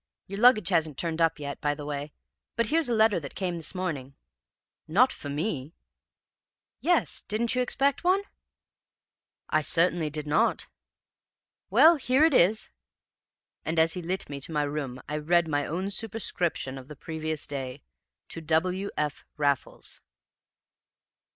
Your luggage hasn't turned up yet, by the way, but here's a letter that came this morning.' "'Not for me?' "'Yes; didn't you expect one?' "'I certainly did not!' "'Well, here it is.' "And, as he lit me to my room, I read my own superscription of the previous day to W. F. Raffles!